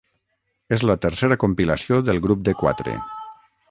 És la tercera compilació del grup de quatre.